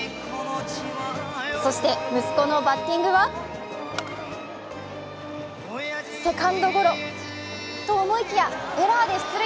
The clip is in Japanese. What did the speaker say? そして息子のバッティングはセカンドゴロと思いきやエラーで出塁。